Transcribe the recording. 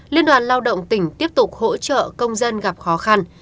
liên đoàn lao động tỉnh tiếp tục hỗ trợ công dân gặp khó khăn